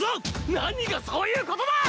何がそういうことだ！